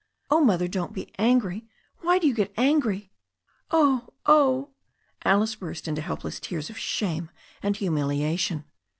"Oh, Mother, don't be angry. Why do you get angry " "Oh, oh I" Alice burst into helpless tears of shame and humiliation.